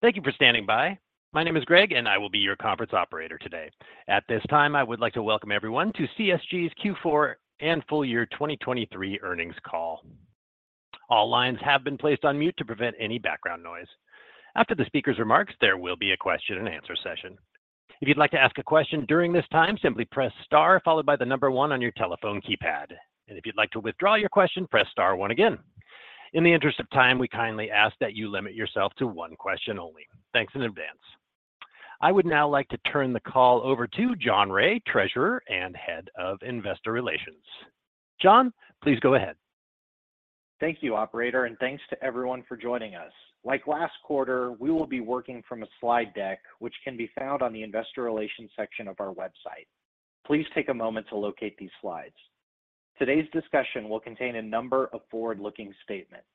Thank you for standing by. My name is Greg, and I will be your conference operator today. At this time, I would like to welcome everyone to CSG's Q4 and full year 2023 earnings call. All lines have been placed on mute to prevent any background noise. After the speaker's remarks, there will be a question and answer session. If you'd like to ask a question during this time, simply press star followed by the number one on your telephone keypad. If you'd like to withdraw your question, press star one again. In the interest of time, we kindly ask that you limit yourself to one question only. Thanks in advance. I would now like to turn the call over to John Rea, Treasurer and Head of Investor Relations. John, please go ahead. Thank you, operator, and thanks to everyone for joining us. Like last quarter, we will be working from a slide deck, which can be found on the Investor Relations section of our website. Please take a moment to locate these slides. Today's discussion will contain a number of forward-looking statements.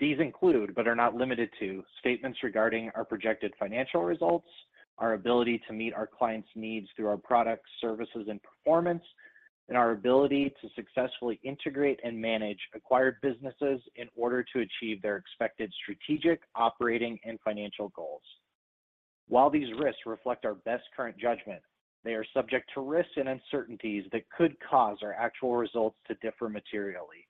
These include, but are not limited to, statements regarding our projected financial results, our ability to meet our clients' needs through our products, services, and performance, and our ability to successfully integrate and manage acquired businesses in order to achieve their expected strategic, operating, and financial goals. While these risks reflect our best current judgment, they are subject to risks and uncertainties that could cause our actual results to differ materially.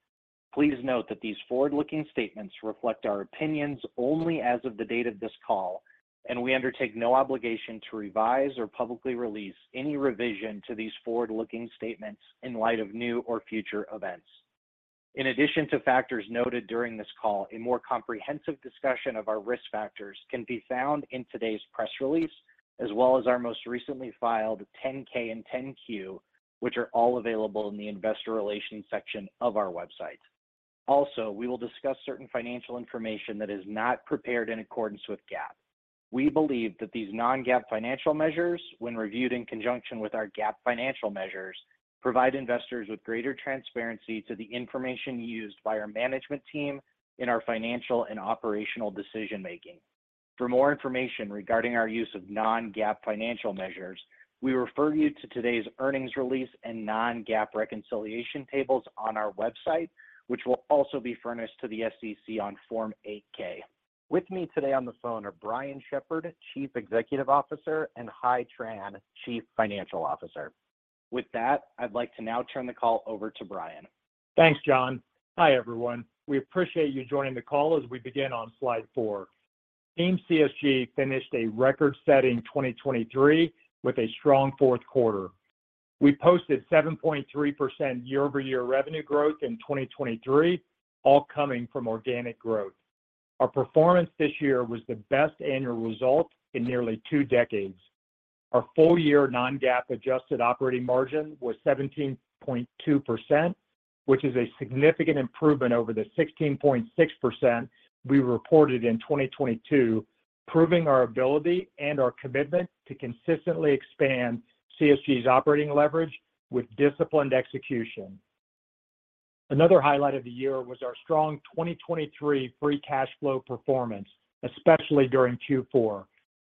Please note that these forward-looking statements reflect our opinions only as of the date of this call, and we undertake no obligation to revise or publicly release any revision to these forward-looking statements in light of new or future events. In addition to factors noted during this call, a more comprehensive discussion of our risk factors can be found in today's press release, as well as our most recently filed 10-K and 10-Q, which are all available in the Investor Relations section of our website. Also, we will discuss certain financial information that is not prepared in accordance with GAAP. We believe that these non-GAAP financial measures, when reviewed in conjunction with our GAAP financial measures, provide investors with greater transparency to the information used by our management team in our financial and operational decision-making. For more information regarding our use of non-GAAP financial measures, we refer you to today's earnings release and non-GAAP reconciliation tables on our website, which will also be furnished to the SEC on Form 8-K. With me today on the phone are Brian Shepherd, Chief Executive Officer, and Hai Tran, Chief Financial Officer. With that, I'd like to now turn the call over to Brian. Thanks, John. Hi, everyone. We appreciate you joining the call as we begin on slide four. Team CSG finished a record-setting 2023 with a strong fourth quarter. We posted 7.3% year-over-year revenue growth in 2023, all coming from organic growth. Our performance this year was the best annual result in nearly two decades. Our full-year Non-GAAP adjusted operating margin was 17.2%, which is a significant improvement over the 16.6% we reported in 2022, proving our ability and our commitment to consistently expand CSG's operating leverage with disciplined execution. Another highlight of the year was our strong 2023 free cash flow performance, especially during Q4.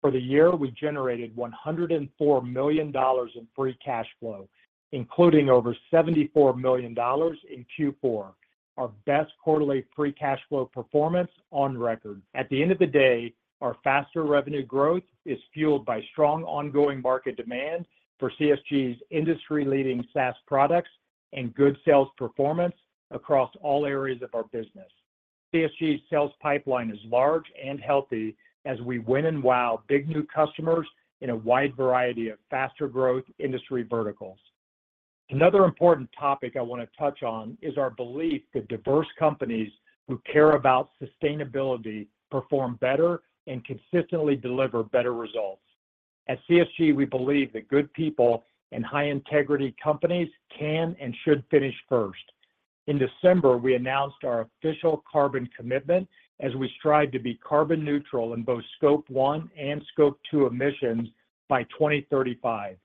For the year, we generated $104 million in free cash flow, including over $74 million in Q4, our best quarterly free cash flow performance on record. At the end of the day, our faster revenue growth is fueled by strong ongoing market demand for CSG's industry-leading SaaS products and good sales performance across all areas of our business. CSG's sales pipeline is large and healthy as we win and wow big new customers in a wide variety of faster-growth industry verticals. Another important topic I want to touch on is our belief that diverse companies who care about sustainability perform better and consistently deliver better results. At CSG, we believe that good people and high-integrity companies can and should finish first. In December, we announced our official carbon commitment as we strive to be carbon neutral in both Scope 1 and Scope 2 emissions by 2035.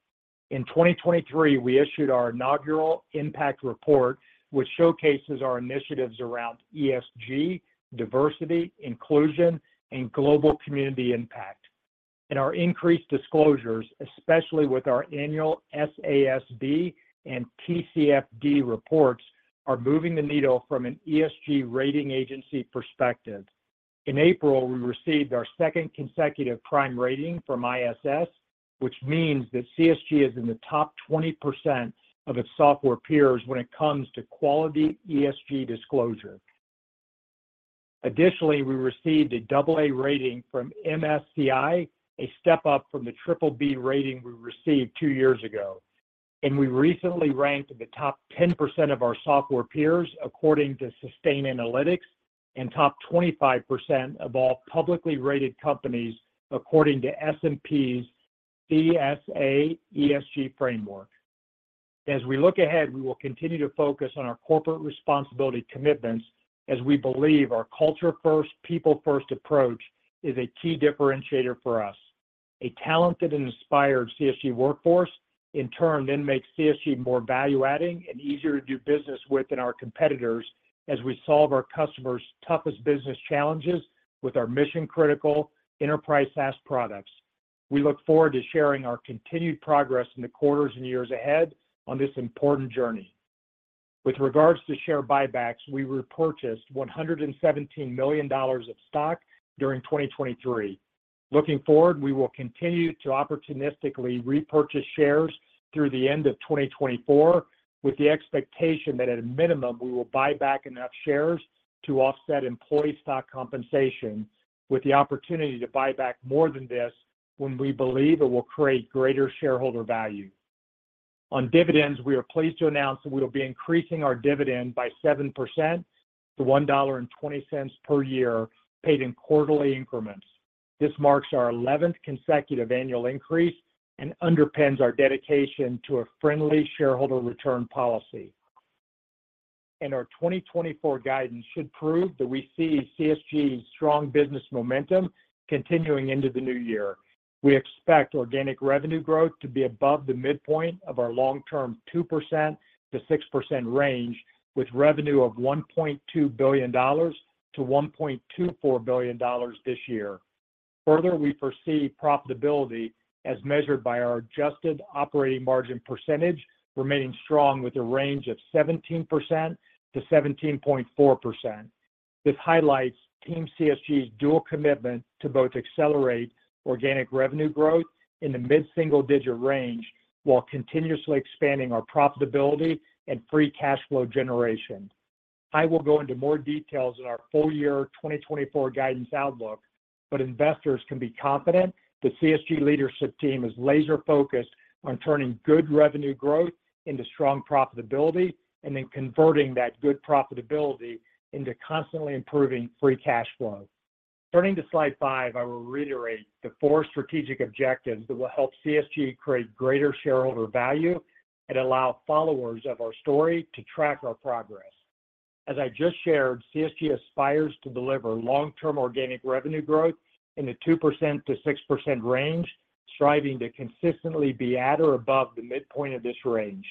In 2023, we issued our inaugural Impact Report, which showcases our initiatives around ESG, diversity, inclusion, and global community impact. Our increased disclosures, especially with our annual SASB and TCFD reports, are moving the needle from an ESG rating agency perspective. In April, we received our second consecutive prime rating from ISS, which means that CSG is in the top 20% of its software peers when it comes to quality ESG disclosure. Additionally, we received a double A rating from MSCI, a step up from the triple B rating we received two years ago. We recently ranked in the top 10% of our software peers, according to Sustainalytics, and top 25% of all publicly rated companies, according to S&P's CSA ESG framework. As we look ahead, we will continue to focus on our corporate responsibility commitments as we believe our culture first, people first approach is a key differentiator for us. A talented and inspired CSG workforce in turn then makes CSG more value-adding and easier to do business with than our competitors as we solve our customers' toughest business challenges with our mission-critical enterprise SaaS products. We look forward to sharing our continued progress in the quarters and years ahead on this important journey... With regards to share buybacks, we repurchased $117 million of stock during 2023. Looking forward, we will continue to opportunistically repurchase shares through the end of 2024, with the expectation that at a minimum, we will buy back enough shares to offset employee stock compensation, with the opportunity to buy back more than this when we believe it will create greater shareholder value. On dividends, we are pleased to announce that we will be increasing our dividend by 7% to $1.20 per year, paid in quarterly increments. This marks our 11th consecutive annual increase and underpins our dedication to a friendly shareholder return policy. Our 2024 guidance should prove that we see CSG's strong business momentum continuing into the new year. We expect organic revenue growth to be above the midpoint of our long-term 2%-6% range, with revenue of $1.2 billion-$1.24 billion this year. Further, we foresee profitability as measured by our adjusted operating margin percentage, remaining strong with a range of 17%-17.4%. This highlights Team CSG's dual commitment to both accelerate organic revenue growth in the mid-single digit range, while continuously expanding our profitability and free cash flow generation. I will go into more details in our full-year 2024 guidance outlook, but investors can be confident that CSG leadership team is laser-focused on turning good revenue growth into strong profitability, and then converting that good profitability into constantly improving free cash flow. Turning to slide five, I will reiterate the four strategic objectives that will help CSG create greater shareholder value and allow followers of our story to track our progress. As I just shared, CSG aspires to deliver long-term organic revenue growth in the 2%-6% range, striving to consistently be at or above the midpoint of this range.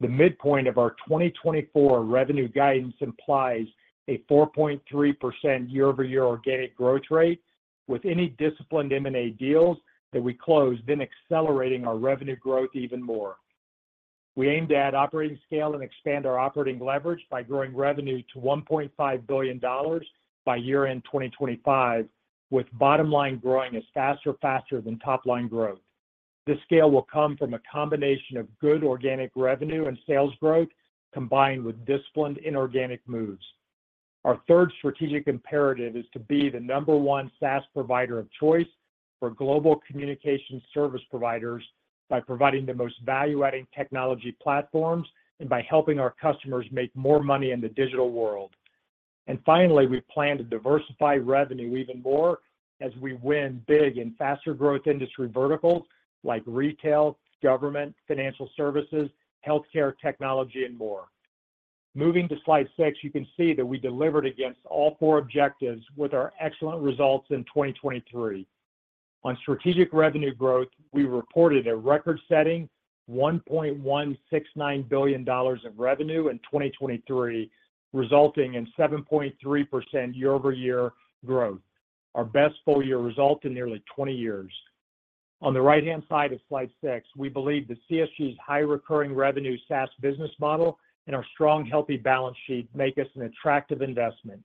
The midpoint of our 2024 revenue guidance implies a 4.3% year-over-year organic growth rate, with any disciplined M&A deals that we close, then accelerating our revenue growth even more. We aim to add operating scale and expand our operating leverage by growing revenue to $1.5 billion by year-end 2025, with bottom line growing faster than top line growth. This scale will come from a combination of good organic revenue and sales growth, combined with disciplined inorganic moves. Our third strategic imperative is to be the number one SaaS provider of choice for global communication service providers by providing the most value-adding technology platforms, and by helping our customers make more money in the digital world. And finally, we plan to diversify revenue even more as we win big in faster growth industry verticals like retail, government, financial services, healthcare, technology, and more. Moving to slide six, you can see that we delivered against all four objectives with our excellent results in 2023. On strategic revenue growth, we reported a record-setting $1.169 billion of revenue in 2023, resulting in 7.3% year-over-year growth, our best full year result in nearly 20 years. On the right-hand side of slide six, we believe that CSG's high recurring revenue SaaS business model and our strong, healthy balance sheet make us an attractive investment.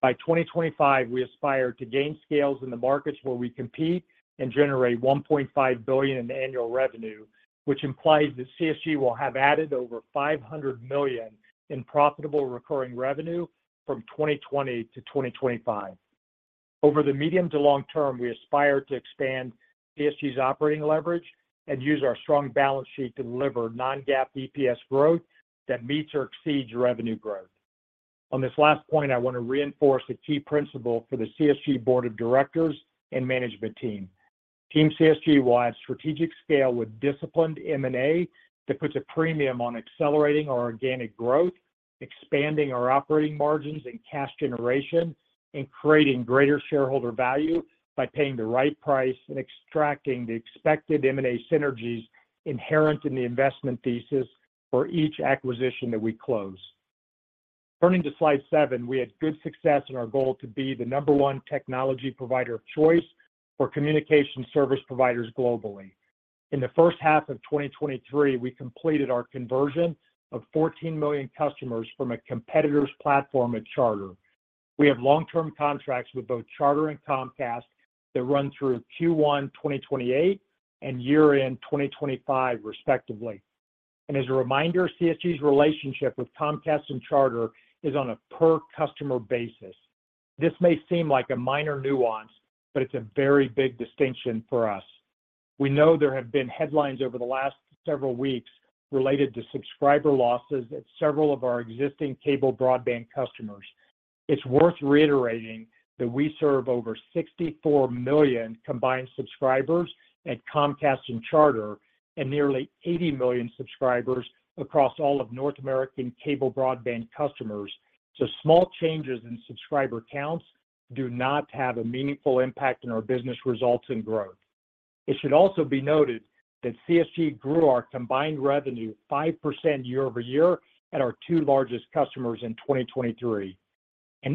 By 2025, we aspire to gain scales in the markets where we compete and generate $1.5 billion in annual revenue, which implies that CSG will have added over $500 million in profitable recurring revenue from 2020 to 2025. Over the medium to long term, we aspire to expand CSG's operating leverage and use our strong balance sheet to deliver non-GAAP EPS growth that meets or exceeds revenue growth. On this last point, I want to reinforce a key principle for the CSG Board of Directors and management team. Team CSG will add strategic scale with disciplined M&A that puts a premium on accelerating our organic growth, expanding our operating margins and cash generation, and creating greater shareholder value by paying the right price and extracting the expected M&A synergies inherent in the investment thesis for each acquisition that we close. Turning to slide 7, we had good success in our goal to be the number one technology provider of choice for communication service providers globally. In the first half of 2023, we completed our conversion of 14 million customers from a competitor's platform at Charter. We have long-term contracts with both Charter and Comcast that run through Q1 2028 and year-end 2025, respectively. And as a reminder, CSG's relationship with Comcast and Charter is on a per-customer basis. This may seem like a minor nuance, but it's a very big distinction for us. We know there have been headlines over the last several weeks related to subscriber losses at several of our existing cable broadband customers. It's worth reiterating that we serve over 64 million combined subscribers at Comcast and Charter, and nearly 80 million subscribers across all of North American cable broadband customers. So small changes in subscriber counts do not have a meaningful impact in our business results and growth. It should also be noted that CSG grew our combined revenue 5% year-over-year at our two largest customers in 2023.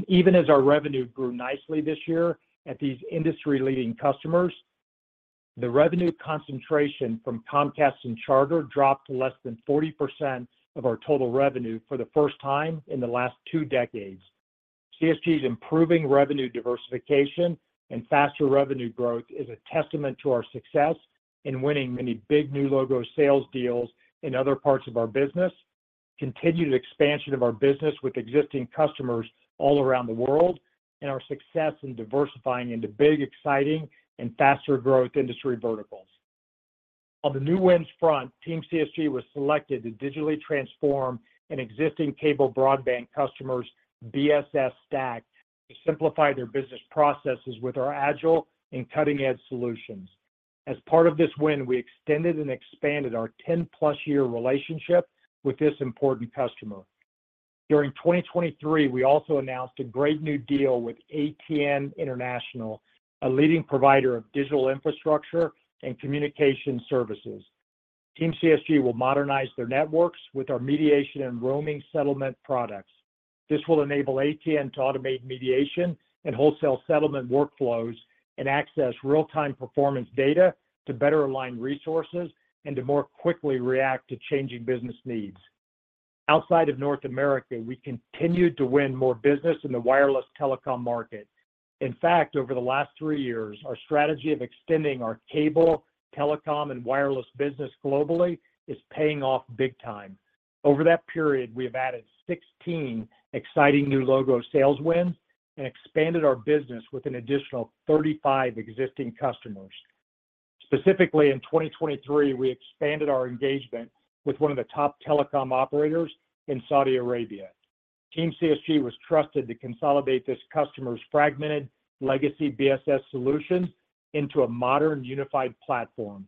Even as our revenue grew nicely this year at these industry-leading customers. The revenue concentration from Comcast and Charter dropped to less than 40% of our total revenue for the first time in the last two decades. CSG's improving revenue diversification and faster revenue growth is a testament to our success in winning many big new logo sales deals in other parts of our business, continued expansion of our business with existing customers all around the world, and our success in diversifying into big, exciting, and faster growth industry verticals. On the new wins front, Team CSG was selected to digitally transform an existing cable broadband customer's BSS stack to simplify their business processes with our agile and cutting-edge solutions. As part of this win, we extended and expanded our 10+-year relationship with this important customer. During 2023, we also announced a great new deal with ATN International, a leading provider of digital infrastructure and communication services. Team CSG will modernize their networks with our mediation and roaming settlement products. This will enable ATN to automate mediation and wholesale settlement workflows, and access real-time performance data to better align resources and to more quickly react to changing business needs. Outside of North America, we continued to win more business in the wireless telecom market. In fact, over the last three years, our strategy of extending our cable, telecom, and wireless business globally is paying off big time. Over that period, we have added 16 exciting new logo sales wins and expanded our business with an additional 35 existing customers. Specifically, in 2023, we expanded our engagement with one of the top telecom operators in Saudi Arabia. Team CSG was trusted to consolidate this customer's fragmented legacy BSS solution into a modern, unified platform.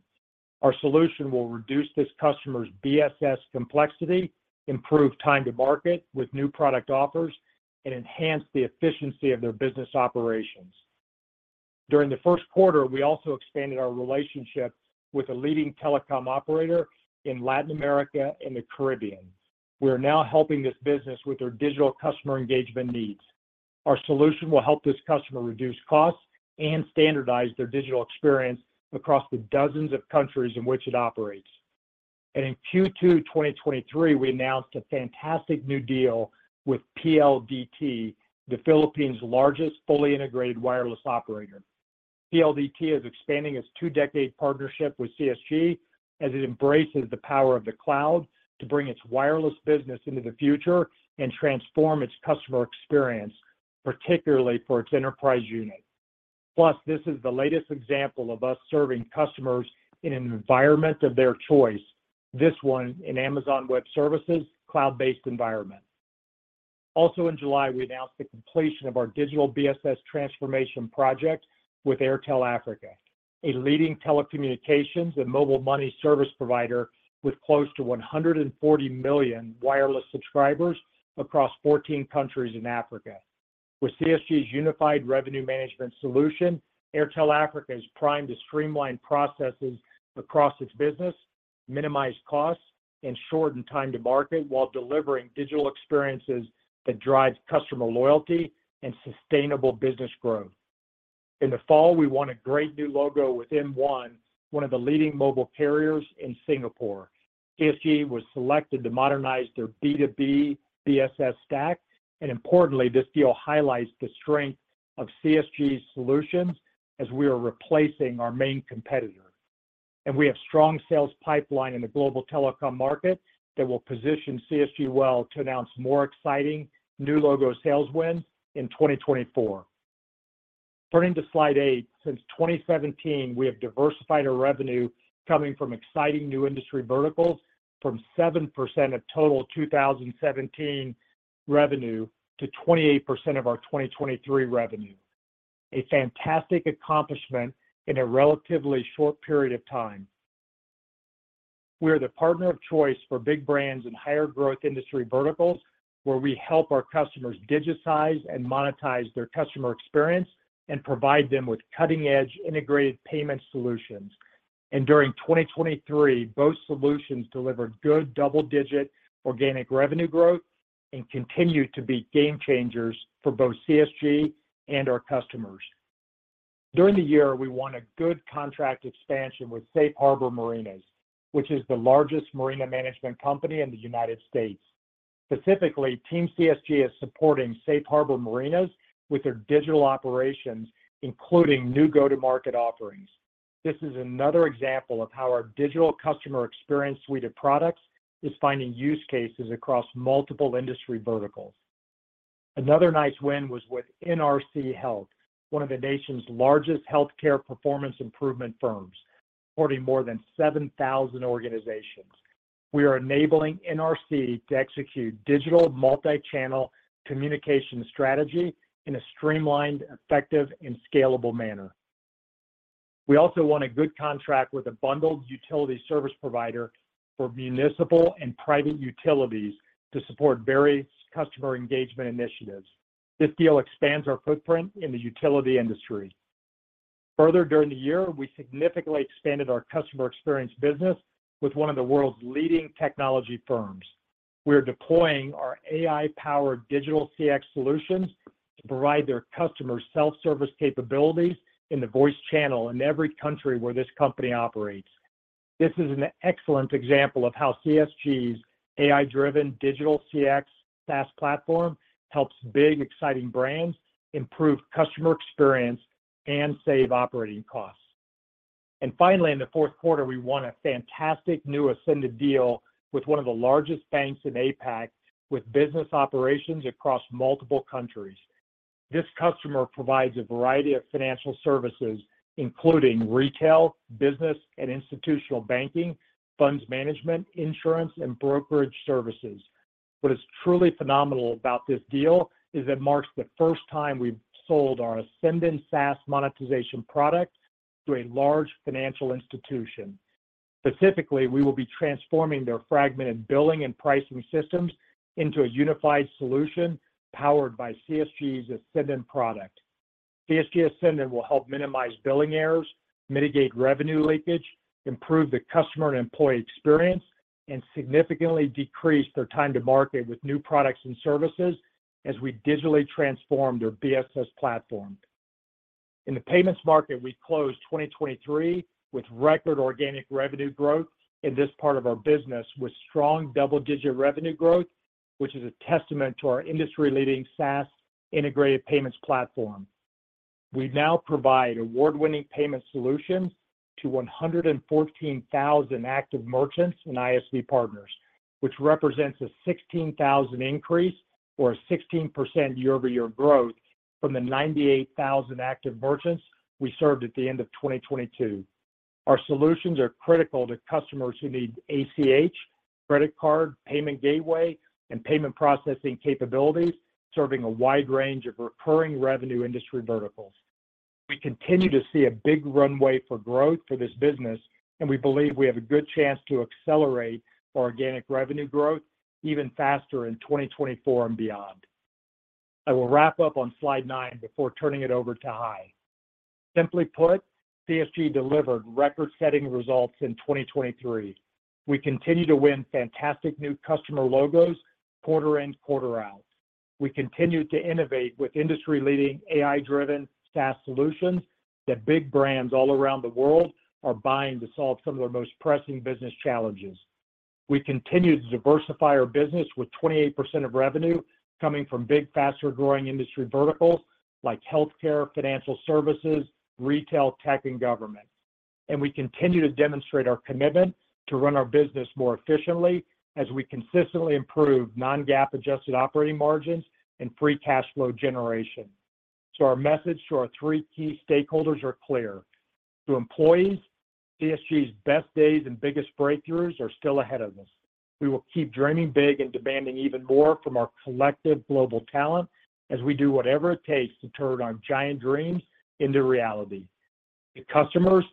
Our solution will reduce this customer's BSS complexity, improve time to market with new product offers, and enhance the efficiency of their business operations. During the first quarter, we also expanded our relationship with a leading telecom operator in Latin America and the Caribbean. We are now helping this business with their digital customer engagement needs. Our solution will help this customer reduce costs and standardize their digital experience across the dozens of countries in which it operates. In Q2 2023, we announced a fantastic new deal with PLDT, the Philippines' largest fully integrated wireless operator. PLDT is expanding its two-decade partnership with CSG as it embraces the power of the cloud to bring its wireless business into the future and transform its customer experience, particularly for its enterprise unit. Plus, this is the latest example of us serving customers in an environment of their choice, this one in Amazon Web Services' cloud-based environment. Also in July, we announced the completion of our digital BSS transformation project with Airtel Africa, a leading telecommunications and mobile money service provider with close to 140 million wireless subscribers across 14 countries in Africa. With CSG's unified revenue management solution, Airtel Africa is primed to streamline processes across its business, minimize costs, and shorten time to market, while delivering digital experiences that drives customer loyalty and sustainable business growth. In the fall, we won a great new logo with M1, one of the leading mobile carriers in Singapore. CSG was selected to modernize their B2B BSS stack, and importantly, this deal highlights the strength of CSG's solutions as we are replacing our main competitor. We have strong sales pipeline in the global telecom market that will position CSG well to announce more exciting new logo sales wins in 2024. Turning to slide eight, since 2017, we have diversified our revenue coming from exciting new industry verticals from 7% of total 2017 revenue to 28% of our 2023 revenue. A fantastic accomplishment in a relatively short period of time. We are the partner of choice for big brands in higher growth industry verticals, where we help our customers digitize and monetize their customer experience and provide them with cutting-edge integrated payment solutions. During 2023, both solutions delivered good double-digit organic revenue growth and continued to be game changers for both CSG and our customers. During the year, we won a good contract expansion with Safe Harbor Marinas, which is the largest marina management company in the United States. Specifically, Team CSG is supporting Safe Harbor Marinas with their digital operations, including new go-to-market offerings. This is another example of how our digital customer experience suite of products is finding use cases across multiple industry verticals. Another nice win was with NRC Health, one of the nation's largest healthcare performance improvement firms, supporting more than 7,000 organizations. We are enabling NRC to execute digital, multi-channel communication strategy in a streamlined, effective, and scalable manner. We also won a good contract with a bundled utility service provider for municipal and private utilities to support various customer engagement initiatives. This deal expands our footprint in the utility industry. Further, during the year, we significantly expanded our customer experience business with one of the world's leading technology firms.... We are deploying our AI-powered digital CX solutions to provide their customers self-service capabilities in the voice channel in every country where this company operates. This is an excellent example of how CSG's AI-driven digital CX SaaS platform helps big, exciting brands improve customer experience and save operating costs. And finally, in the fourth quarter, we won a fantastic new Ascendon deal with one of the largest banks in APAC, with business operations across multiple countries. This customer provides a variety of financial services, including retail, business, and institutional banking, funds management, insurance, and brokerage services. What is truly phenomenal about this deal is it marks the first time we've sold our Ascendon SaaS monetization product to a large financial institution. Specifically, we will be transforming their fragmented billing and pricing systems into a unified solution powered by CSG's Ascendon product. CSG Ascendon will help minimize billing errors, mitigate revenue leakage, improve the customer and employee experience, and significantly decrease their time to market with new products and services as we digitally transform their BSS platform. In the payments market, we closed 2023 with record organic revenue growth in this part of our business, with strong double-digit revenue growth, which is a testament to our industry-leading SaaS integrated payments platform. We now provide award-winning payment solutions to 114,000 active merchants and ISV partners, which represents a 16,000 increase or a 16% year-over-year growth from the 98,000 active merchants we served at the end of 2022. Our solutions are critical to customers who need ACH, credit card, payment gateway, and payment processing capabilities, serving a wide range of recurring revenue industry verticals. We continue to see a big runway for growth for this business, and we believe we have a good chance to accelerate our organic revenue growth even faster in 2024 and beyond. I will wrap up on slide nine before turning it over to Hai. Simply put, CSG delivered record-setting results in 2023. We continue to win fantastic new customer logos quarter in, quarter out. We continued to innovate with industry-leading, AI-driven SaaS solutions that big brands all around the world are buying to solve some of their most pressing business challenges. We continue to diversify our business, with 28% of revenue coming from big, faster-growing industry verticals like healthcare, financial services, retail, tech, and government. We continue to demonstrate our commitment to run our business more efficiently as we consistently improve non-GAAP adjusted operating margins and free cash flow generation. Our message to our three key stakeholders are clear: to employees, CSG's best days and biggest breakthroughs are still ahead of us. We will keep dreaming big and demanding even more from our collective global talent as we do whatever it takes to turn our giant dreams into reality. To customers,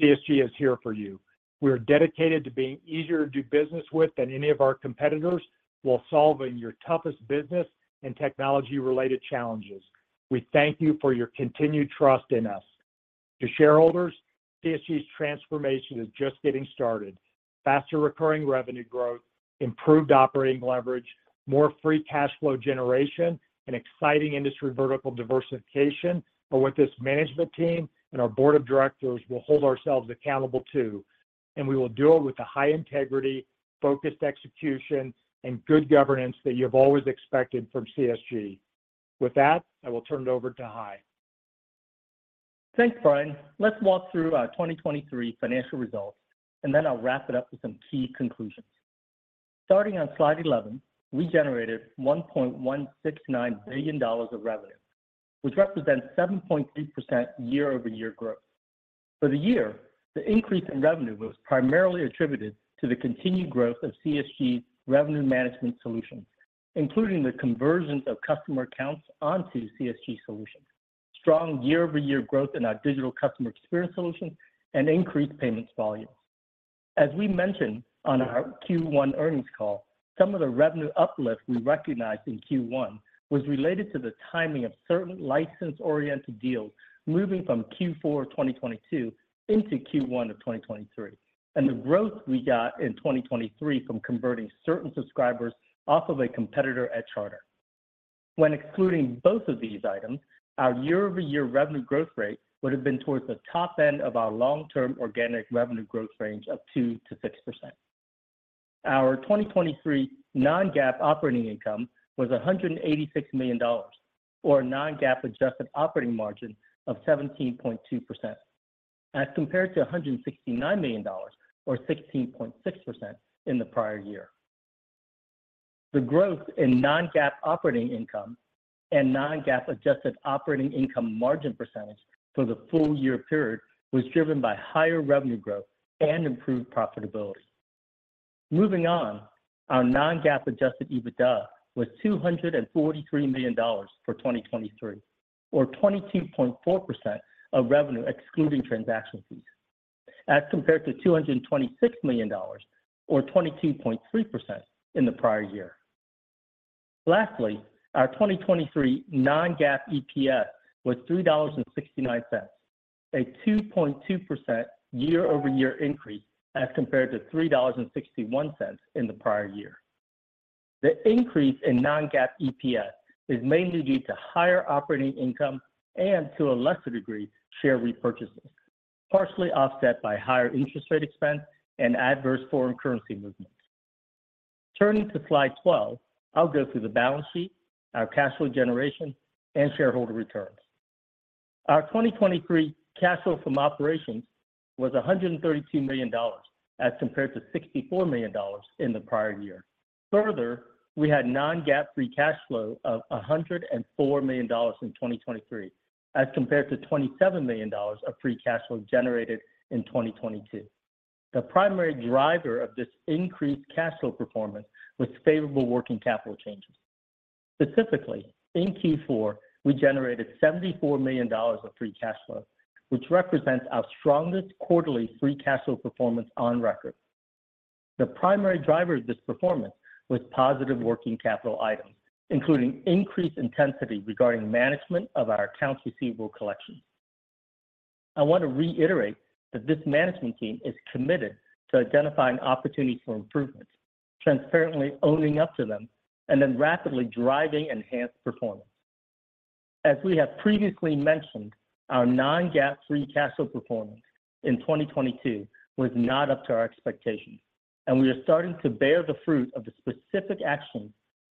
CSG is here for you. We are dedicated to being easier to do business with than any of our competitors, while solving your toughest business and technology-related challenges. We thank you for your continued trust in us. To shareholders, CSG's transformation is just getting started. Faster recurring revenue growth, improved operating leverage, more free cash flow generation, and exciting industry vertical diversification are what this management team and our board of directors will hold ourselves accountable to, and we will do it with the high integrity, focused execution, and good governance that you've always expected from CSG. With that, I will turn it over to Hai. Thanks, Brian. Let's walk through our 2023 financial results, and then I'll wrap it up with some key conclusions. Starting on slide 11, we generated $1.169 billion of revenue, which represents 7.3% year-over-year growth. For the year, the increase in revenue was primarily attributed to the continued growth of CSG's revenue management solutions, including the conversion of customer accounts onto CSG solutions, strong year-over-year growth in our digital customer experience solutions, and increased payments volume. As we mentioned on our Q1 earnings call, some of the revenue uplift we recognized in Q1 was related to the timing of certain license-oriented deals moving from Q4 of 2022 into Q1 of 2023, and the growth we got in 2023 from converting certain subscribers off of a competitor at Charter. When excluding both of these items, our year-over-year revenue growth rate would have been towards the top end of our long-term organic revenue growth range of 2%-6%. Our 2023 non-GAAP operating income was $186 million, or a non-GAAP adjusted operating margin of 17.2%, as compared to $169 million, or 16.6% in the prior year. The growth in non-GAAP operating income and non-GAAP adjusted operating income margin percentage for the full year period was driven by higher revenue growth and improved profitability. Moving on, our non-GAAP adjusted EBITDA was $243 million for 2023, or 22.4% of revenue, excluding transaction fees, as compared to $226 million or 22.3% in the prior year. Lastly, our 2023 non-GAAP EPS was $3.69, a 2.2% year-over-year increase as compared to $3.61 in the prior year. The increase in non-GAAP EPS is mainly due to higher operating income and, to a lesser degree, share repurchases, partially offset by higher interest rate expense and adverse foreign currency movements. Turning to Slide 12, I'll go through the balance sheet, our cash flow generation, and shareholder returns. Our 2023 cash flow from operations was $132 million, as compared to $64 million in the prior year. Further, we had non-GAAP free cash flow of $104 million in 2023, as compared to $27 million of free cash flow generated in 2022. The primary driver of this increased cash flow performance was favorable working capital changes. Specifically, in Q4, we generated $74 million of free cash flow, which represents our strongest quarterly free cash flow performance on record. The primary driver of this performance was positive working capital items, including increased intensity regarding management of our accounts receivable collections. I want to reiterate that this management team is committed to identifying opportunities for improvement, transparently owning up to them, and then rapidly driving enhanced performance. As we have previously mentioned, our non-GAAP free cash flow performance in 2022 was not up to our expectations, and we are starting to bear the fruit of the specific actions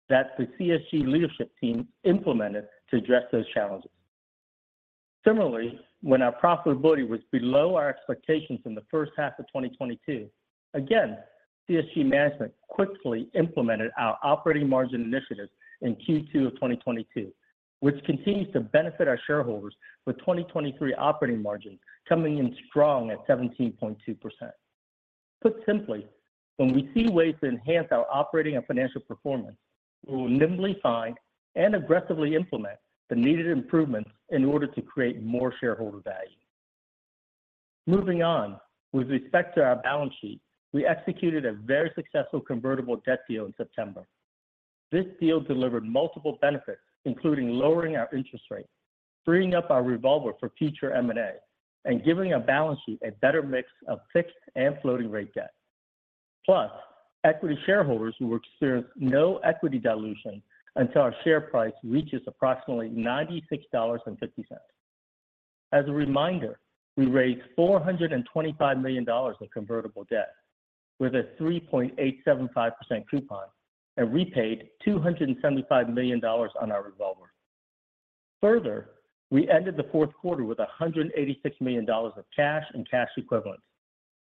that the CSG leadership team implemented to address those challenges. Similarly, when our profitability was below our expectations in the first half of 2022, again, CSG management quickly implemented our operating margin initiatives in Q2 of 2022, which continues to benefit our shareholders with 2023 operating margin coming in strong at 17.2%. Put simply, when we see ways to enhance our operating and financial performance, we will nimbly find and aggressively implement the needed improvements in order to create more shareholder value. Moving on, with respect to our balance sheet, we executed a very successful convertible debt deal in September. This deal delivered multiple benefits, including lowering our interest rate, freeing up our revolver for future M&A, and giving our balance sheet a better mix of fixed and floating rate debt. Plus, equity shareholders will experience no equity dilution until our share price reaches approximately $96.50. As a reminder, we raised $425 million in convertible debt with a 3.875% coupon and repaid $275 million on our revolver. Further, we ended the fourth quarter with $186 million of cash and cash equivalents.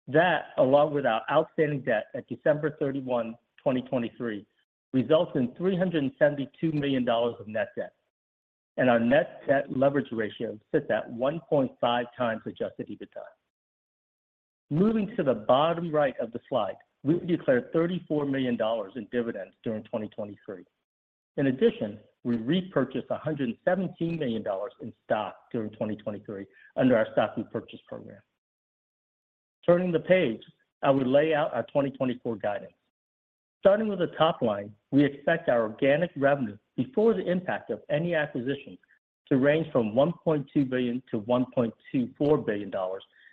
That, along with our outstanding debt at December 31, 2023, results in $372 million of net debt, and our net debt leverage ratio sits at 1.5x adjusted EBITDA. Moving to the bottom right of the slide, we declared $34 million in dividends during 2023. In addition, we repurchased $117 million in stock during 2023 under our stock repurchase program. Turning the page, I will lay out our 2024 guidance. Starting with the top line, we expect our organic revenue, before the impact of any acquisition, to range from $1.2 billion-$1.24 billion,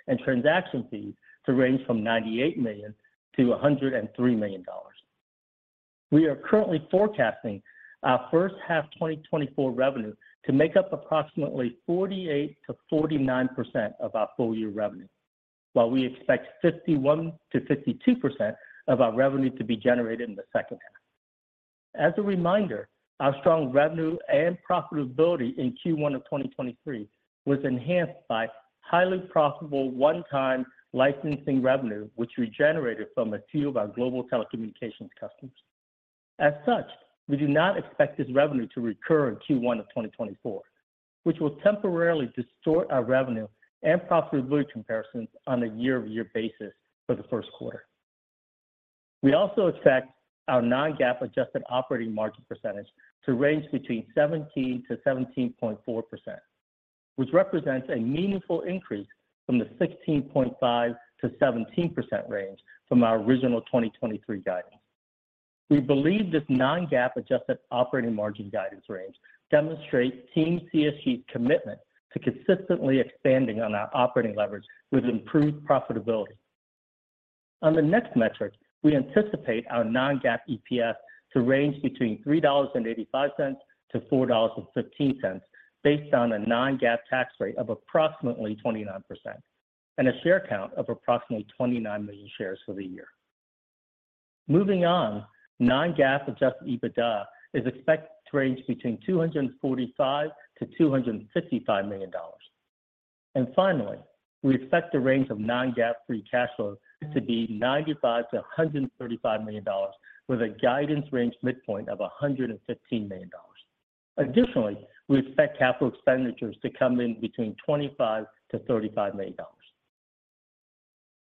and transaction fees to range from $98 million-$103 million. We are currently forecasting our first half 2024 revenue to make up approximately 48%-49% of our full-year revenue, while we expect 51%-52% of our revenue to be generated in the second half. As a reminder, our strong revenue and profitability in Q1 of 2023 was enhanced by highly profitable one-time licensing revenue, which we generated from a few of our global telecommunications customers. As such, we do not expect this revenue to recur in Q1 of 2024, which will temporarily distort our revenue and profitability comparisons on a year-over-year basis for the first quarter. We also expect our non-GAAP adjusted operating margin percentage to range between 17%-17.4%, which represents a meaningful increase from the 16.5%-17% range from our original 2023 guidance. We believe this non-GAAP adjusted operating margin guidance range demonstrates Team CSG's commitment to consistently expanding on our operating leverage with improved profitability. On the next metric, we anticipate our non-GAAP EPS to range between $3.85-$4.15, based on a non-GAAP tax rate of approximately 29% and a share count of approximately 29 million shares for the year. Moving on, non-GAAP adjusted EBITDA is expected to range between $245 million-$255 million. And finally, we expect the range of non-GAAP free cash flow to be $95 million-$135 million, with a guidance range midpoint of $115 million. Additionally, we expect capital expenditures to come in between $25 million-$35 million.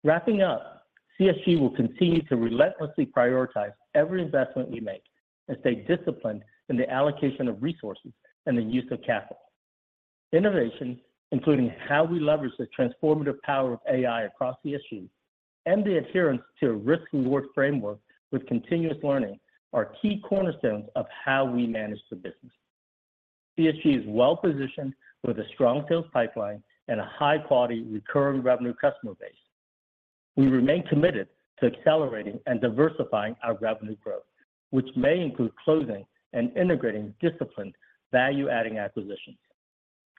Wrapping up, CSG will continue to relentlessly prioritize every investment we make and stay disciplined in the allocation of resources and the use of capital. Innovation, including how we leverage the transformative power of AI across the issue and the adherence to a risk and reward framework with continuous learning, are key cornerstones of how we manage the business. CSG is well-positioned with a strong sales pipeline and a high-quality, recurring revenue customer base. We remain committed to accelerating and diversifying our revenue growth, which may include closing and integrating disciplined value-adding acquisitions.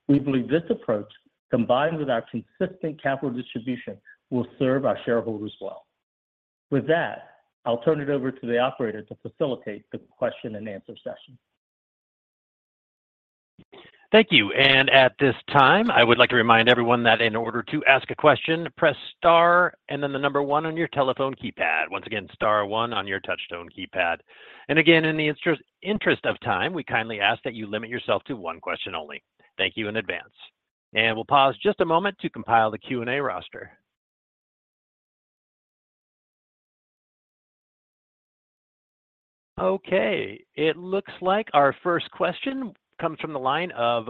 We believe this approach, combined with our consistent capital distribution, will serve our shareholders well. With that, I'll turn it over to the operator to facilitate the question and answer session. Thank you. At this time, I would like to remind everyone that in order to ask a question, press Star and then the number One on your telephone keypad. Once again, Star One on your touchtone keypad. Again, in the interest of time, we kindly ask that you limit yourself to one question only. Thank you in advance. We'll pause just a moment to compile the Q&A roster. Okay, it looks like our first question comes from the line of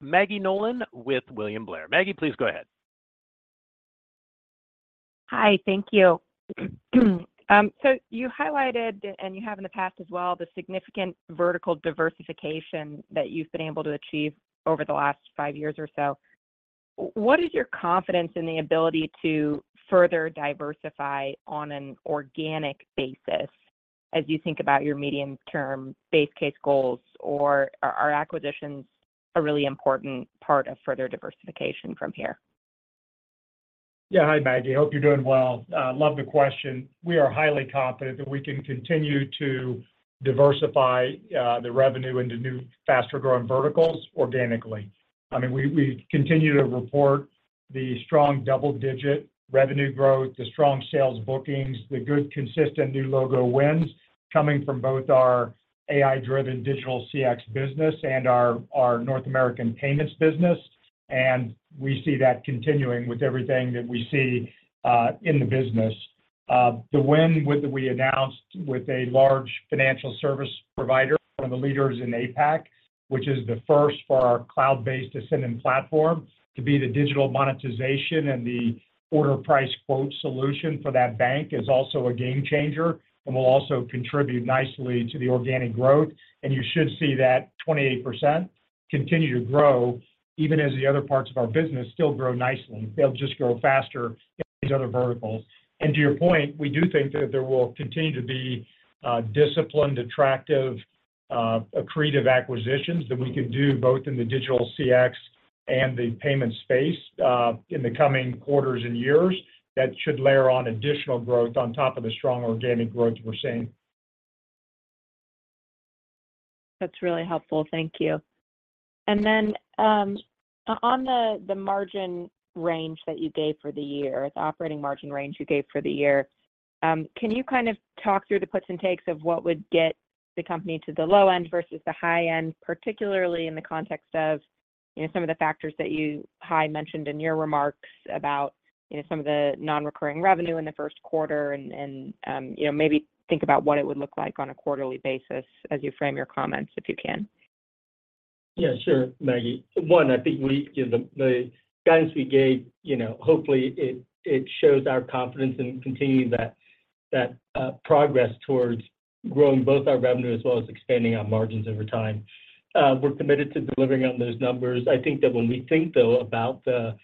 Maggie Nolan with William Blair. Maggie, please go ahead. Hi, thank you. So you highlighted, and you have in the past as well, the significant vertical diversification that you've been able to achieve over the last five years or so. What is your confidence in the ability to further diversify on an organic basis as you think about your medium-term base case goals, or are acquisitions a really important part of further diversification from here? Yeah. Hi, Maggie. Hope you're doing well. Love the question. We are highly confident that we can continue to diversify the revenue into new, faster-growing verticals organically. I mean, we, we continue to report the strong double-digit revenue growth, the strong sales bookings, the good consistent new logo wins coming from both our AI-driven digital CX business and our, our North American payments business. And we see that continuing with everything that we see in the business. The win, which we announced with a large financial service provider, one of the leaders in APAC, which is the first for our cloud-based Ascendon platform to be the digital monetization and the order price quote solution for that bank, is also a game changer and will also contribute nicely to the organic growth. And you should see that 28% continue to grow even as the other parts of our business still grow nicely. They'll just grow faster in these other verticals. And to your point, we do think that there will continue to be, disciplined, attractive, accretive acquisitions that we can do both in the digital CX and the payment space, in the coming quarters and years. That should layer on additional growth on top of the strong organic growth we're seeing. That's really helpful. Thank you. And then, on the margin range that you gave for the year, the operating margin range you gave for the year, can you kind of talk through the puts and takes of what would get the company to the low end versus the high end, particularly in the context of, you know, some of the factors that you, Hai, mentioned in your remarks about, you know, some of the non-recurring revenue in the first quarter? And, you know, maybe think about what it would look like on a quarterly basis as you frame your comments, if you can. Yeah, sure, Maggie. I think we, you know, the guidance we gave, you know, hopefully it shows our confidence in continuing that progress towards growing both our revenue as well as expanding our margins over time. We're committed to delivering on those numbers. I think that when we think, though, about the,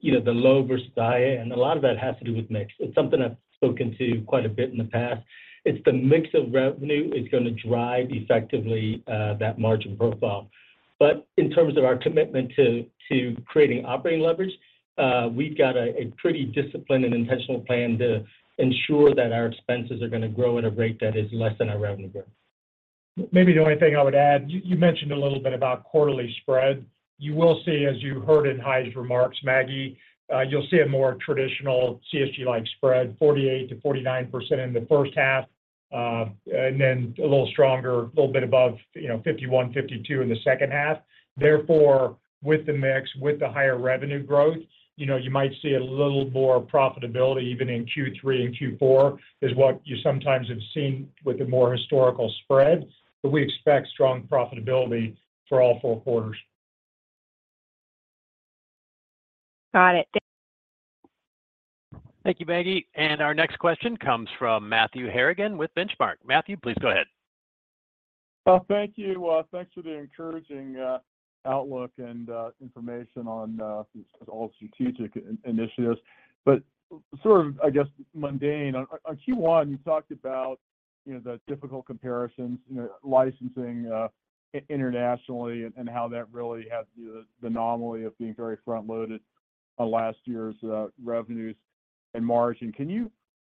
you know, the low versus high, and a lot of that has to do with mix. It's something I've spoken to quite a bit in the past. It's the mix of revenue is gonna drive effectively that margin profile. But in terms of our commitment to creating operating leverage, we've got a pretty disciplined and intentional plan to ensure that our expenses are gonna grow at a rate that is less than our revenue growth. Maybe the only thing I would add, you, you mentioned a little bit about quarterly spread. You will see, as you heard in Hai's remarks, Maggie, you'll see a more traditional CSG-like spread, 48%-49% in the first half, and then a little stronger, a little bit above, you know, 51%-52% in the second half. Therefore, with the mix, with the higher revenue growth, you know, you might see a little more profitability even in Q3 and Q4, is what you sometimes have seen with the more historical spread. But we expect strong profitability for all four quarters. Got it. Thank- Thank you, Maggie. Our next question comes from Matthew Harrigan with Benchmark. Matthew, please go ahead. Thank you. Thanks for the encouraging outlook and information on all strategic initiatives. But sort of, I guess, mundane, on Q1, you talked about, you know, the difficult comparisons, you know, licensing internationally, and how that really had the anomaly of being very front-loaded on last year's revenues and margin. Can you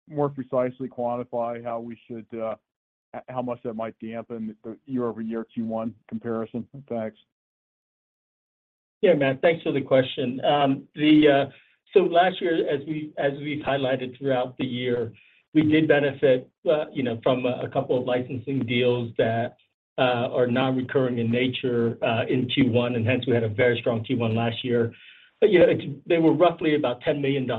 more precisely quantify how much that might dampen the year-over-year Q1 comparison effects? Yeah, Matt, thanks for the question. So last year, as we've highlighted throughout the year, we did benefit, you know, from a couple of licensing deals that are non-recurring in nature, in Q1, and hence we had a very strong Q1 last year. But, yeah, it's they were roughly about $10 million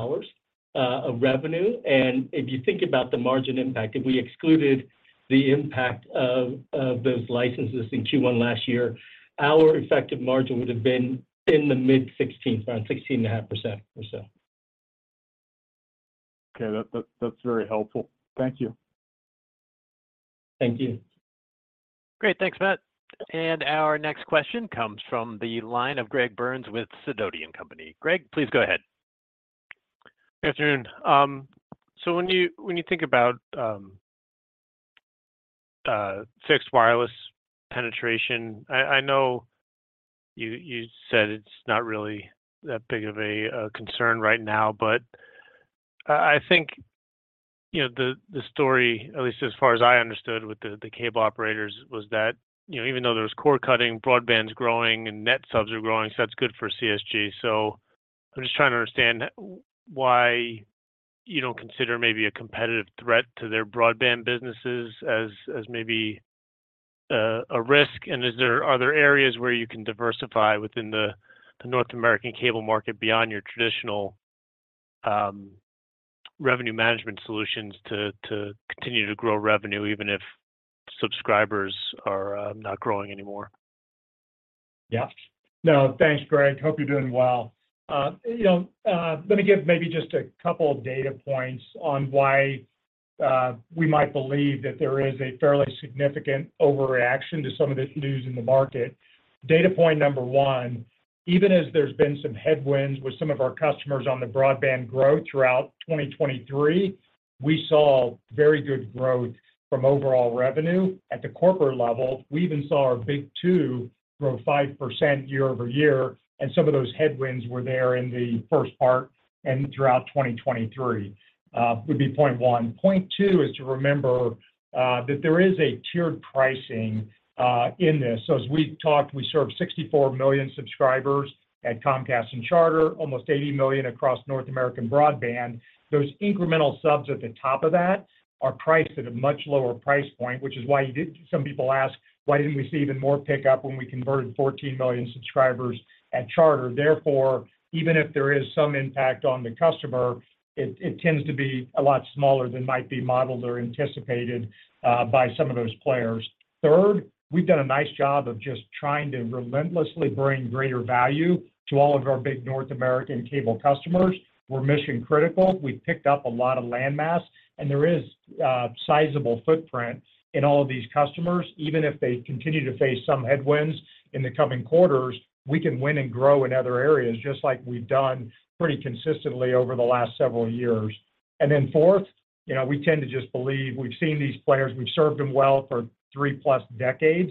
of revenue. And if you think about the margin impact, if we excluded the impact of those licenses in Q1 last year, our effective margin would have been in the mid-16, around 16.5% or so. Okay. That, that's very helpful. Thank you. Thank you. Great. Thanks, Matt. And our next question comes from the line of Greg Burns with Sidoti & Company. Greg, please go ahead. Good afternoon. So when you think about fixed wireless penetration, I know you said it's not really that big of a concern right now, but I think, you know, the story, at least as far as I understood with the cable operators, was that, you know, even though there was cord-cutting, broadband's growing and net subs are growing, so that's good for CSG. So I'm just trying to understand why you don't consider maybe a competitive threat to their broadband businesses as maybe a risk, and are there areas where you can diversify within the North American cable market beyond your traditional revenue management solutions to continue to grow revenue, even if subscribers are not growing anymore? Yeah. No, thanks, Greg. Hope you're doing well. You know, let me give maybe just a couple of data points on why we might believe that there is a fairly significant overreaction to some of this news in the market. Data point number one, even as there's been some headwinds with some of our customers on the broadband growth throughout 2023, we saw very good growth from overall revenue. At the corporate level, we even saw our big two grow 5% year-over-year, and some of those headwinds were there in the first part and throughout 2023, would be point one. Point two is to remember that there is a tiered pricing in this. So as we talked, we served 64 million subscribers at Comcast and Charter, almost 80 million across North America broadband. Those incremental subs at the top of that are priced at a much lower price point, which is why you did—some people ask, why didn't we see even more pickup when we converted 14 million subscribers at Charter? Therefore, even if there is some impact on the customer, it, it tends to be a lot smaller than might be modeled or anticipated by some of those players. Third, we've done a nice job of just trying to relentlessly bring greater value to all of our big North American cable customers. We're mission-critical. We've picked up a lot of landmass, and there is a sizable footprint in all of these customers. Even if they continue to face some headwinds in the coming quarters, we can win and grow in other areas, just like we've done pretty consistently over the last several years. And then fourth, you know, we tend to just believe, we've seen these players, we've served them well for 3+ decades.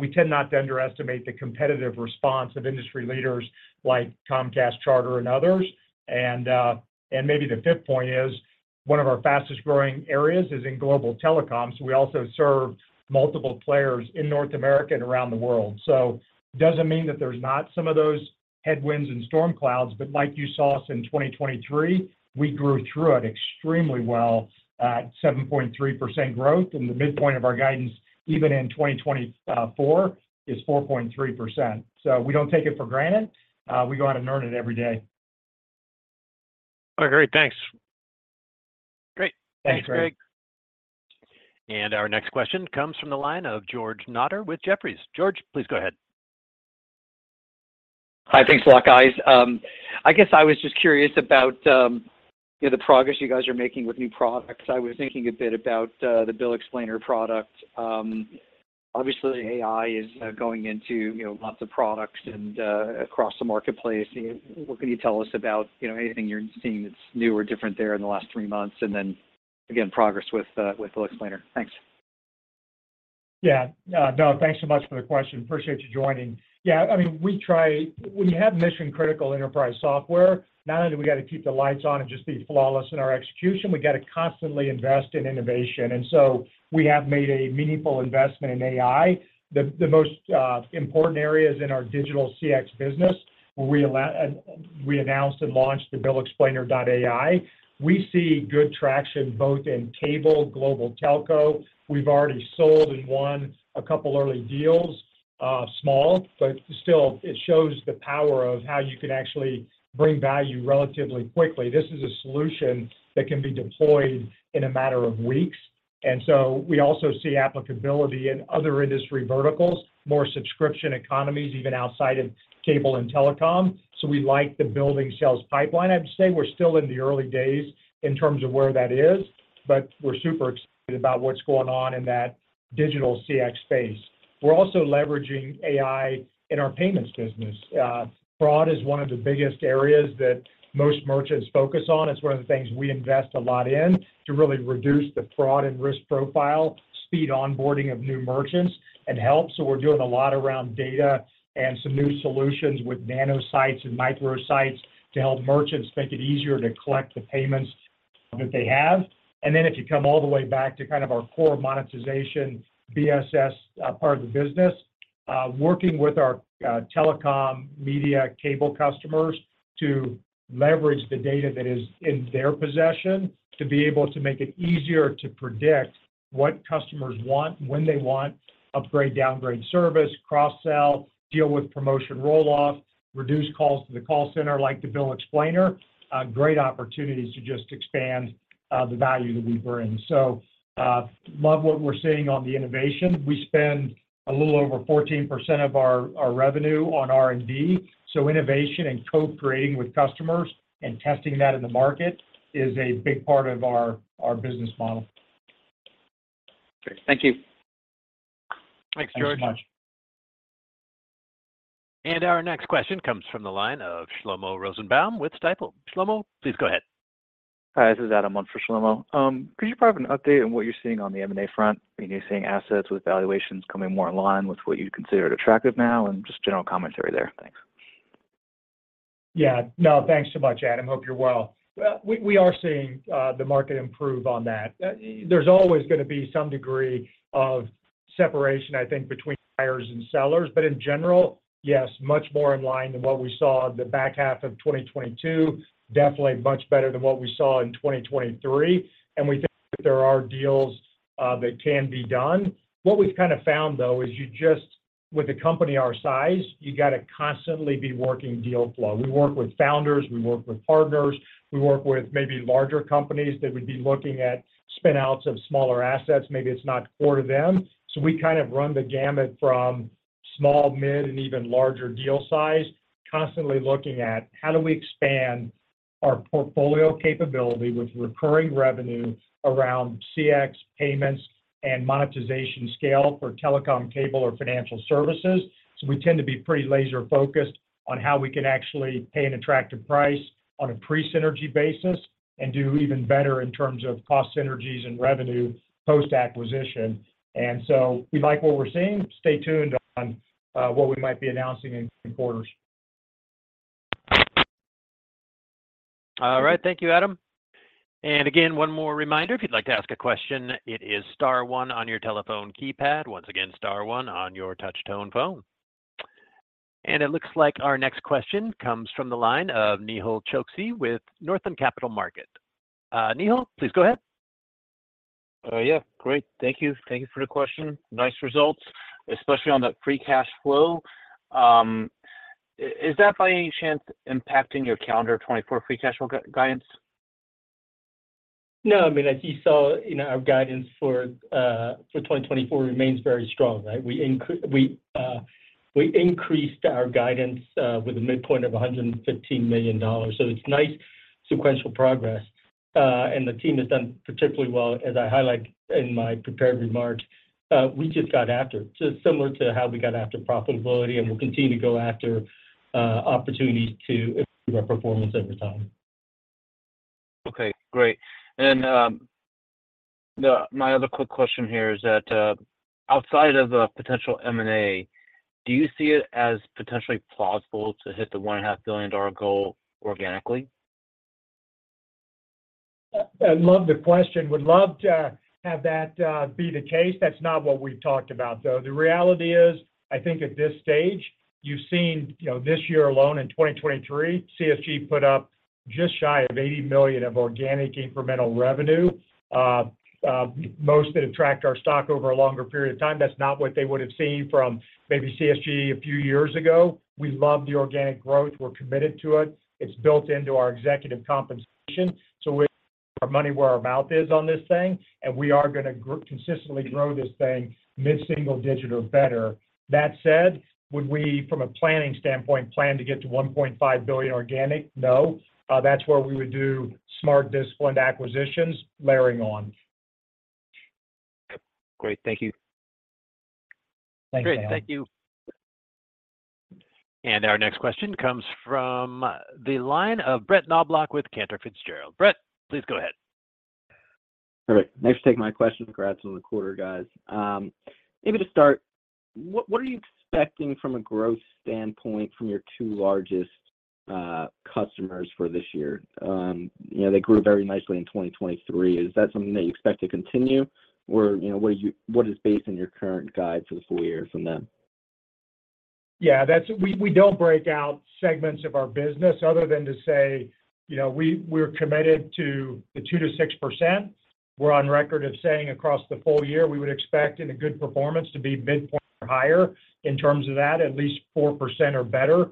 We tend not to underestimate the competitive response of industry leaders like Comcast, Charter, and others. And maybe the fifth point is, one of our fastest-growing areas is in global telecoms. We also serve multiple players in North America and around the world. So it doesn't mean that there's not some of those headwinds and storm clouds, but like you saw us in 2023, we grew through it extremely well at 7.3% growth, and the midpoint of our guidance, even in 2024, is 4.3%. So we don't take it for granted. We go out and earn it every day. All right, great. Thanks. Great. Thanks, Greg. Thanks, Greg. Our next question comes from the line of George Notter with Jefferies. George, please go ahead. Hi, thanks a lot, guys. I guess I was just curious about, you know, the progress you guys are making with new products. I was thinking a bit about the Bill Explainer product. Obviously, AI is going into, you know, lots of products and across the marketplace. What can you tell us about, you know, anything you're seeing that's new or different there in the last three months? And then again, progress with Bill Explainer. Thanks. Yeah. No, thanks so much for the question. Appreciate you joining. Yeah, I mean, we try, when you have mission-critical enterprise software, not only do we got to keep the lights on and just be flawless in our execution, we got to constantly invest in innovation. And so we have made a meaningful investment in AI. The most important areas in our digital CX business, where we announced and launched the Bill Explainer AI We see good traction both in cable, global telco. We've already sold and won a couple early deals, small, but still, it shows the power of how you can actually bring value relatively quickly. This is a solution that can be deployed in a matter of weeks, and so we also see applicability in other industry verticals, more subscription economies, even outside of cable and telecom. So we like the building sales pipeline. I'd say we're still in the early days in terms of where that is, but we're super excited about what's going on in that digital CX space. We're also leveraging AI in our payments business. Fraud is one of the biggest areas that most merchants focus on. It's one of the things we invest a lot in to really reduce the fraud and risk profile, speed onboarding of new merchants, it helps. So we're doing a lot around data and some new solutions with nanosites and microsites to help merchants make it easier to collect the payments that they have. And then if you come all the way back to kind of our core monetization, BSS, part of the business, working with our, telecom, media, cable customers to leverage the data that is in their possession, to be able to make it easier to predict what customers want, when they want, upgrade, downgrade service, cross-sell, deal with promotion roll-off... reduce calls to the call center, like the Bill Explainer, great opportunities to just expand, the value that we bring. So, love what we're seeing on the innovation. We spend a little over 14% of our revenue on R&D, so innovation and co-creating with customers and testing that in the market is a big part of our business model. Great. Thank you. Thanks, George. Thanks so much. Our next question comes from the line of Shlomo Rosenbaum with Stifel. Shlomo, please go ahead. Hi, this is Adam on for Shlomo. Could you provide an update on what you're seeing on the M&A front? Are you seeing assets with valuations coming more in line with what you consider attractive now, and just general commentary there? Thanks. Yeah. No, thanks so much, Adam. Hope you're well. We are seeing the market improve on that. There's always gonna be some degree of separation, I think, between buyers and sellers. But in general, yes, much more in line than what we saw in the back half of 2022. Definitely much better than what we saw in 2023, and we think that there are deals that can be done. What we've kind of found though, is you just, with a company our size, you gotta constantly be working deal flow. We work with founders, we work with partners, we work with maybe larger companies that would be looking at spin outs of smaller assets. Maybe it's not core to them. So we kind of run the gamut from small, mid, and even larger deal size, constantly looking at how do we expand our portfolio capability with recurring revenue around CX, payments, and monetization scale for telecom, cable, or financial services. So we tend to be pretty laser focused on how we can actually pay an attractive price on a pre-synergy basis and do even better in terms of cost synergies and revenue post-acquisition. And so we like what we're seeing. Stay tuned on what we might be announcing in coming quarters. All right, thank you, Adam. And again, one more reminder, if you'd like to ask a question, it is star one on your telephone keypad. Once again, star one on your touch tone phone. And it looks like our next question comes from the line of Nehal Chokshi with Northland Capital Markets. Nehal, please go ahead. Yeah, great. Thank you. Thank you for the question. Nice results, especially on that free cash flow. Is that by any chance impacting your calendar 2024 free cash flow guidance? No, I mean, as you saw, you know, our guidance for 2024 remains very strong, right? We—we increased our guidance with a midpoint of $115 million. So it's nice sequential progress, and the team has done particularly well, as I highlight in my prepared remarks. We just got after, just similar to how we got after profitability, and we'll continue to go after opportunities to improve our performance over time. Okay, great. My other quick question here is that, outside of a potential M&A, do you see it as potentially plausible to hit the $1.5 billion goal organically? I love the question. Would love to have that be the case. That's not what we've talked about, though. The reality is, I think at this stage, you've seen, you know, this year alone in 2023, CSG put up just shy of $80 million of organic incremental revenue. Most that have tracked our stock over a longer period of time, that's not what they would have seen from maybe CSG a few years ago. We love the organic growth. We're committed to it. It's built into our executive compensation, so we put our money where our mouth is on this thing, and we are gonna consistently grow this thing mid-single digit or better. That said, would we, from a planning standpoint, plan to get to $1.5 billion organic? No. That's where we would do smart, disciplined acquisitions, layering on. Great. Thank you. Thanks, Nehal. Great. Thank you. Our next question comes from the line of Brett Knoblauch with Cantor Fitzgerald. Brett, please go ahead. All right, thanks for taking my question. Congrats on the quarter, guys. Maybe to start, what, what are you expecting from a growth standpoint from your two largest customers for this year? You know, they grew very nicely in 2023. Is that something that you expect to continue, or, you know, what are you- what is based on your current guide for the full year from them? Yeah, that's. We don't break out segments of our business other than to say, you know, we're committed to the 2%-6%. We're on record of saying across the full year, we would expect in a good performance to be midpoint or higher. In terms of that, at least 4% or better.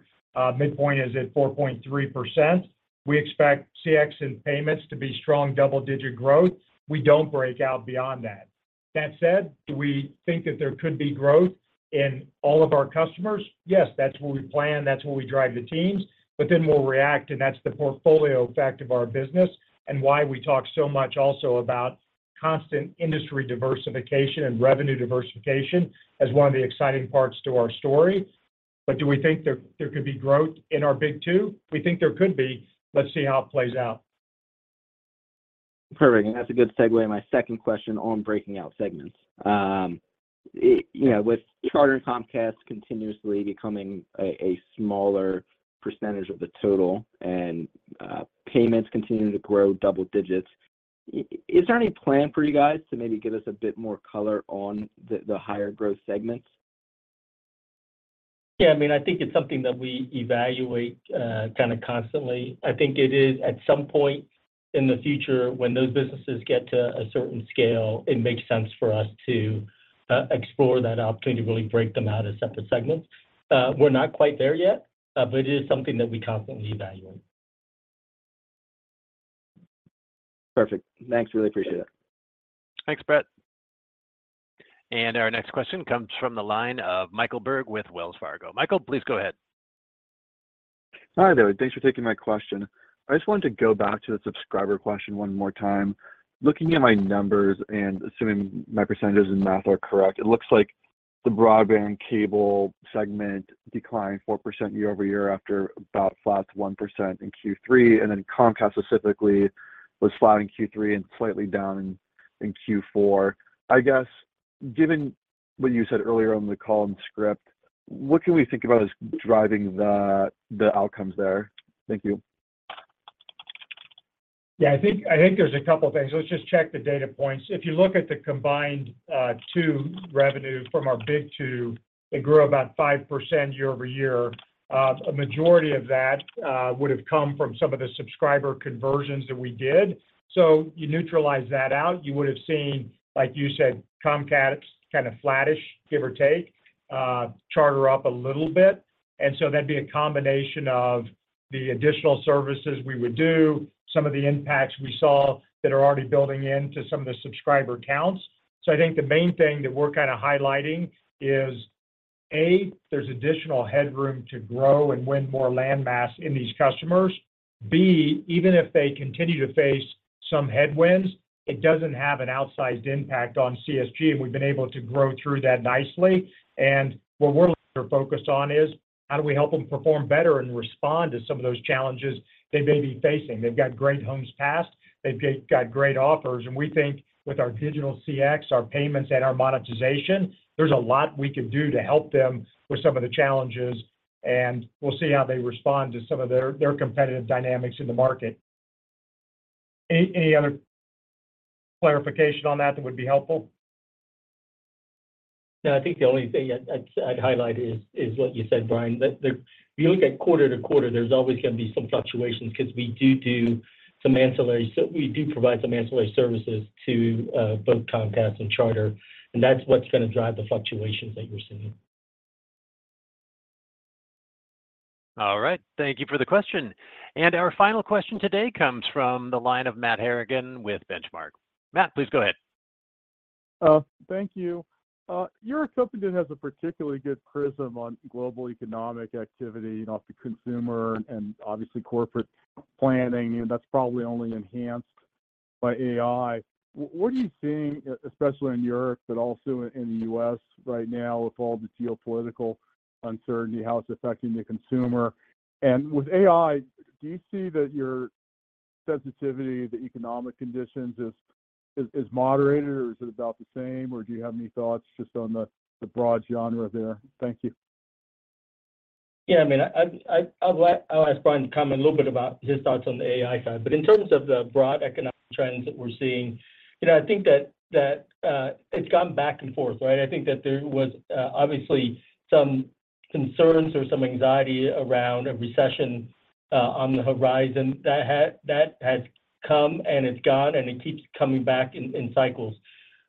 Midpoint is at 4.3%. We expect CX and payments to be strong, double-digit growth. We don't break out beyond that. That said, do we think that there could be growth in all of our customers? Yes, that's where we plan, that's where we drive the teams, but then we'll react, and that's the portfolio effect of our business and why we talk so much also about constant industry diversification and revenue diversification as one of the exciting parts to our story. But do we think there could be growth in our big two? We think there could be. Let's see how it plays out. Perfect, and that's a good segue into my second question on breaking out segments. You know, with Charter and Comcast continuously becoming a smaller percentage of the total and payments continuing to grow double digits, is there any plan for you guys to maybe give us a bit more color on the higher growth segments? Yeah, I mean, I think it's something that we evaluate, kinda constantly. I think it is, at some point in the future, when those businesses get to a certain scale, it makes sense for us to explore that opportunity to really break them out as separate segments. We're not quite there yet, but it is something that we constantly evaluate. Perfect. Thanks, really appreciate it. Thanks, Brett. Our next question comes from the line of Michael Berg with Wells Fargo. Michael, please go ahead. Hi there, thanks for taking my question. I just wanted to go back to the subscriber question one more time. Looking at my numbers and assuming my percentages and math are correct, it looks like the broadband cable segment declined 4% year-over-year after about flat 1% in Q3, and then Comcast specifically was flat in Q3 and slightly down in Q4. I guess, given what you said earlier on the call and script, what can we think about as driving the outcomes there? Thank you. Yeah, I think, I think there's a couple of things. Let's just check the data points. If you look at the combined two revenues from our big two, it grew about 5% year-over-year. A majority of that would have come from some of the subscriber conversions that we did. So you neutralize that out, you would have seen, like you said, Comcast, kind of flattish, give or take, Charter up a little bit. And so that'd be a combination of the additional services we would do, some of the impacts we saw that are already building in to some of the subscriber counts. So I think the main thing that we're kind of highlighting is, A, there's additional headroom to grow and win more landmass in these customers. B, even if they continue to face some headwinds, it doesn't have an outsized impact on CSG, and we've been able to grow through that nicely. And what we're focused on is, how do we help them perform better and respond to some of those challenges they may be facing? They've got great homes passed, they've got great offers, and we think with our digital CX, our payments, and our monetization, there's a lot we can do to help them with some of the challenges, and we'll see how they respond to some of their, their competitive dynamics in the market. Any, any other clarification on that would be helpful? No, I think the only thing I'd highlight is what you said, Brian. That if you look at quarter-to-quarter, there's always going to be some fluctuations because we do do some ancillary. So we do provide some ancillary services to both Comcast and Charter, and that's what's going to drive the fluctuations that you're seeing. All right, thank you for the question. Our final question today comes from the line of Matt Harrigan with Benchmark. Matt, please go ahead. Thank you. Your company has a particularly good prism on global economic activity, you know, off the consumer and, and obviously corporate planning, and that's probably only enhanced by AI. What are you seeing, especially in Europe, but also in the U.S. right now with all the geopolitical uncertainty, how it's affecting the consumer? And with AI, do you see that your sensitivity to economic conditions is, is, is moderated, or is it about the same, or do you have any thoughts just on the, the broad genre there? Thank you. Yeah, I mean, I'll let—I'll ask Brian to comment a little bit about his thoughts on the AI side. But in terms of the broad economic trends that we're seeing, you know, I think that it's gone back and forth, right? I think that there was obviously some concerns or some anxiety around a recession on the horizon that had come and it's gone, and it keeps coming back in cycles.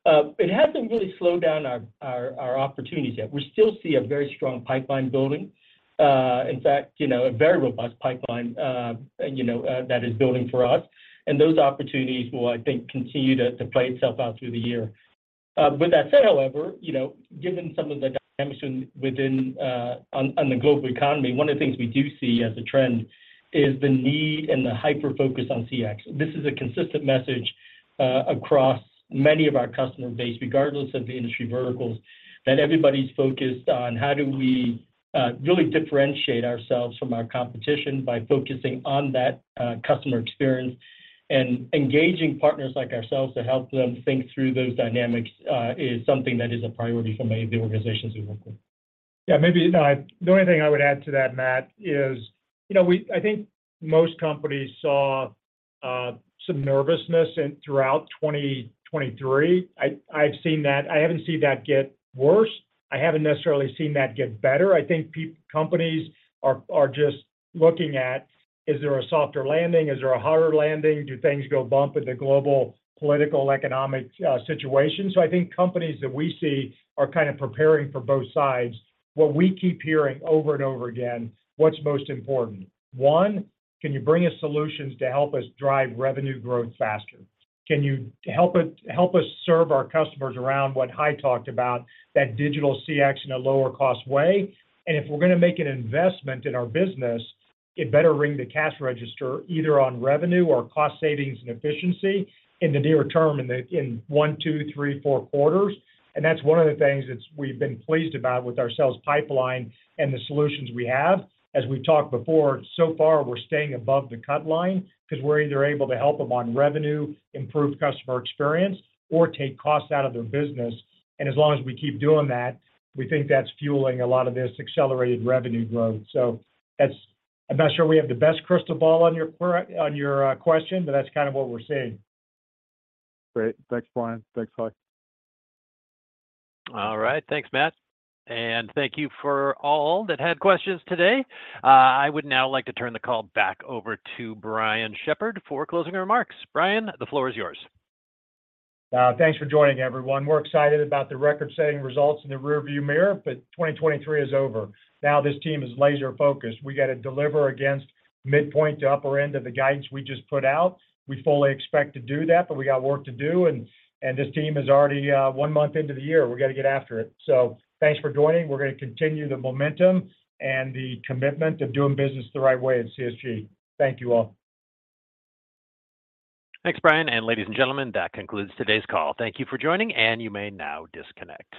It hasn't really slowed down our opportunities yet. We still see a very strong pipeline building. In fact, you know, a very robust pipeline, you know, that is building for us, and those opportunities will, I think, continue to play itself out through the year. With that said, however, you know, given some of the dynamics within, on, on the global economy, one of the things we do see as a trend is the need and the hyper-focus on CX. This is a consistent message, across many of our customer base, regardless of the industry verticals, that everybody's focused on: how do we, really differentiate ourselves from our competition by focusing on that, customer experience? And engaging partners like ourselves to help them think through those dynamics, is something that is a priority for many of the organizations we work with. Yeah, maybe, the only thing I would add to that, Matt, is you know, we I think most companies saw some nervousness and throughout 2023. I, I've seen that. I haven't seen that get worse. I haven't necessarily seen that get better. I think companies are just looking at, is there a softer landing? Is there a harder landing? Do things go bump in the global political, economic, situation? So I think companies that we see are kind of preparing for both sides. What we keep hearing over and over again, what's most important? One, can you bring us solutions to help us drive revenue growth faster? Can you help us, help us serve our customers around what Hai talked about, that digital CX in a lower cost way? And if we're going to make an investment in our business, it better ring the cash register either on revenue or cost savings and efficiency in the nearer term, in 1, 2, 3, 4 quarters. And that's one of the things that we've been pleased about with our sales pipeline and the solutions we have. As we've talked before, so far, we're staying above the cut line because we're either able to help them on revenue, improve customer experience, or take costs out of their business. And as long as we keep doing that, we think that's fueling a lot of this accelerated revenue growth. So that's... I'm not sure we have the best crystal ball on your per- on your question, but that's kind of what we're seeing. Great. Thanks, Brian. Thanks, Hai. All right. Thanks, Matt, and thank you for all that had questions today. I would now like to turn the call back over to Brian Shepherd for closing remarks. Brian, the floor is yours. Thanks for joining, everyone. We're excited about the record-setting results in the rearview mirror, but 2023 is over. Now, this team is laser focused. We got to deliver against midpoint to upper end of the guidance we just put out. We fully expect to do that, but we got work to do, and, and this team is already one month into the year. We got to get after it. So thanks for joining. We're going to continue the momentum and the commitment of doing business the right way at CSG. Thank you all. Thanks, Brian, and ladies and gentlemen, that concludes today's call. Thank you for joining, and you may now disconnect.